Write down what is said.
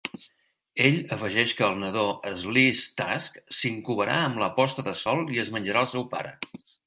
Ell afegeix que el nadó Sleestak s'incubarà amb la posta de sol i es menjarà al seu pare.